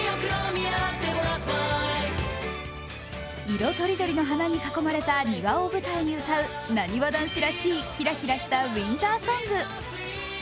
色とりどりの花に囲まれた庭を舞台に歌うなにわ男子らしい、キラキラしたウインターソング。